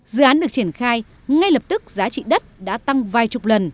dự án được triển khai ngay lập tức giá trị đất đã tăng vài chục lần